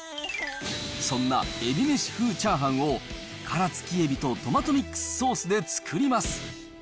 そんな、えびめし風チャーハンを、殻付きエビとトマトミックスソースで作ります。